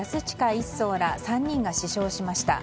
１曹ら３人が死傷しました。